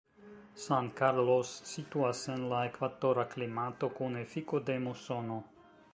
San Carlos situas en la ekvatora klimato kun efiko de musono.